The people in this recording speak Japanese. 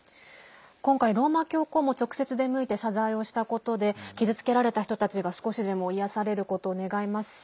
今回、ローマ教皇も直接、出向いて謝罪をしたことで傷けられた人たちが少しでも癒やされることを願いますし